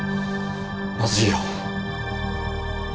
まずいよ。